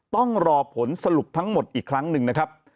ต้องรอผลสรุปทั้งหมดอีกครั้งหนึ่งนะครับ